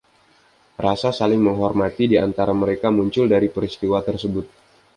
Rasa saling menghormati di antara mereka muncul dari peristiwa tersebut.